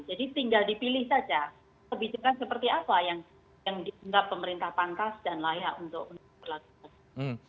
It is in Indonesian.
jadi tinggal dipilih saja kebijakan seperti apa yang dihendap pemerintah pantas dan layak untuk berlaku